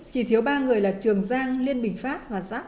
chỉ thiếu ba người là trường giang liên bình pháp và giác